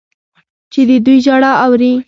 چې د دوی ژړا اوري.